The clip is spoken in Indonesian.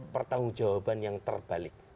pertanggung jawaban yang terbalik